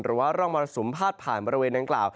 หรือว่าร่องมรสุมพาดผ่านบริเวณดังกล่าว